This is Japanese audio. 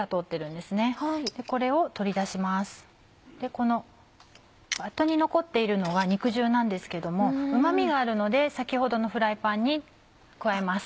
でこのバットに残っているのは肉汁なんですけどもうま味があるので先ほどのフライパンに加えます。